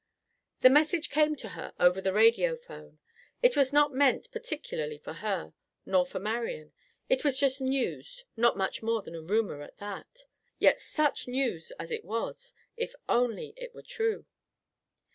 This message came to her over the radiophone. It was not meant particularly for her, nor for Marian. It was just news; not much more than a rumor, at that. Yet such news as it was, if only it were true!